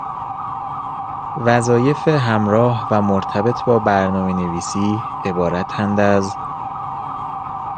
وظایف همراه و مرتبط با برنامهنویسی عبارتند از: